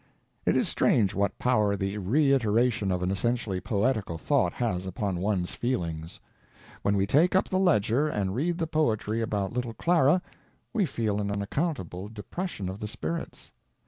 It is strange what power the reiteration of an essentially poetical thought has upon one's feelings. When we take up the _Ledger _and read the poetry about little Clara, we feel an unaccountable depression of the spirits.